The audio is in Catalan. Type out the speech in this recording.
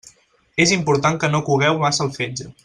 És important que no cogueu massa el fetge.